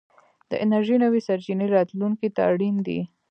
د انرژۍ نوې سرچينې راتلونکي ته اړين دي.